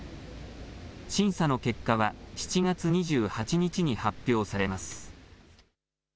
審査の結果は、７月２８日に発表されます。